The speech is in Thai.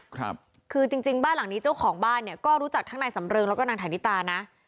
ครับคือจริงจริงบ้านหลังนี้เจ้าของบ้านเนี่ยก็รู้จักทั้งนายสำเริงแล้วก็นางฐานิตานะ